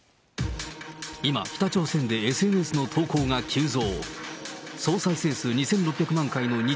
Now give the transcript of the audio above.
今、北朝鮮でＳＮＳの投稿が急増。